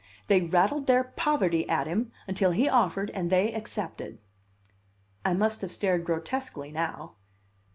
They rattled their poverty at him until he offered and they accepted." I must have stared grotesquely now.